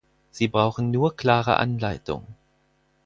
Sie brauchen nur klare Anleitung.